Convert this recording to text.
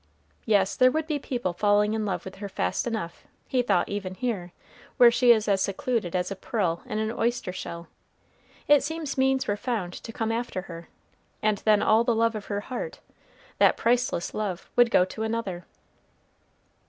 Yes, there would be people falling in love with her fast enough, he thought even here, where she is as secluded as a pearl in an oyster shell, it seems means were found to come after her, and then all the love of her heart, that priceless love, would go to another.